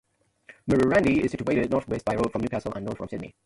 Murrurundi is situated northwest by road from Newcastle and north from Sydney.